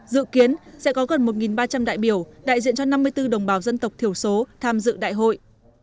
dự kiến sẽ có gần một ba trăm linh đại biểu đại diện cho năm mươi bốn đồng bào dân tộc thiểu số tham dự đại hội